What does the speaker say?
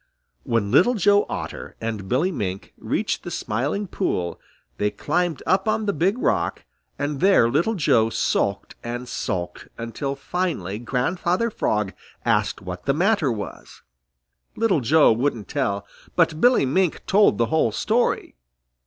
When Little Joe Otter and Billy Mink reached the Smiling Pool, they climbed up on the Big Rock, and there Little Joe sulked and sulked, until finally Grandfather Frog asked what the matter was. Little Joe wouldn't tell, but Billy Mink told the whole story.